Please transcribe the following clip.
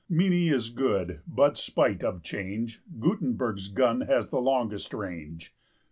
Minié is good, but, spite of change, Gutenberg's gun has the longest range.